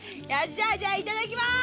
じゃあいただきます！